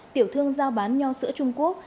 tiểu thương giao bán nho sữa trung quốc